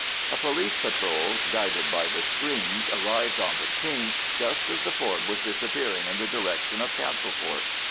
A police patrol, guided by the screams, arrived on the scene just as the Ford was disappearing in the direction of Castleport.